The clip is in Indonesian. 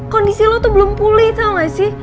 kondisi lo tuh belum pulih tau gak sih